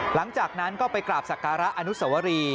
หลังจากนั้นก็ไปกราบสักการะอนุสวรี